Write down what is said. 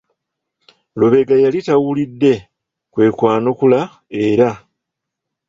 Lubega yali tawulidde kwe kwanukula era.